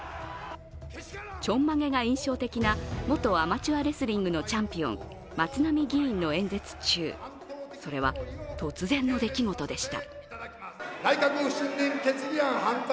ちょんまげが印象的な元アマチュアレスリングのチャンピオン、松浪議員の演説中、それは突然の出来事でした。